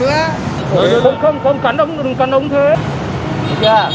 ý là không không không không